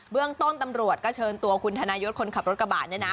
เรื่องต้นตำรวจก็เชิญตัวคุณธนายศคนขับรถกระบะเนี่ยนะ